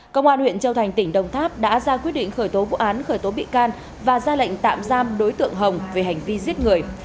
công an huyện châu thành tỉnh đồng tháp đã ra quyết định khởi tố vụ án khởi tố bị can và ra lệnh tạm giam đối tượng hồng về hành vi giết người